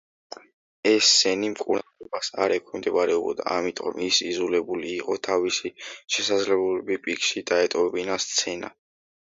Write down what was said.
ეს სენი მკურნალობას არ ექვემდებარებოდა, ამიტომ ის იძულებული იყო თავისი შესაძლებლობის პიკში დაეტოვებინა სცენა.